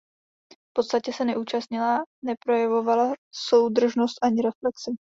V podstatě se neúčastnila, neprojevovala soudržnost ani reflexi.